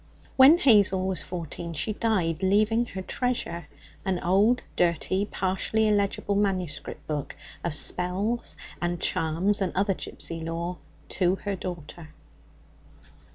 When Hazel was fourteen she died, leaving her treasure an old, dirty, partially illegible manuscript book of spells and charms and other gipsy lore to her daughter.